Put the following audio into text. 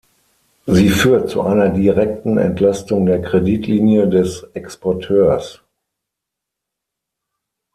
Sie führt zu einer direkten Entlastung der Kreditlinie des Exporteurs.